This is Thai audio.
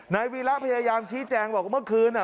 นายวีระพยายามชี้แจ้งว่าเมื่อคืนอ่ะ